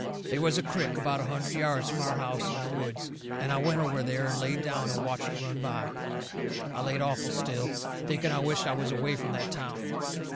They was a crick about a hundred yards from our house, in the woods, and I went over there and laid down and watched it run by. I laid awful still, thinking I wisht I was away from that town.